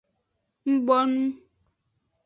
Ng bonu.